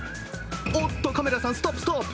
おっとカメラさん、ストップ、ストップ。